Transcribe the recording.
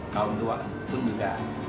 kaun tua itu juga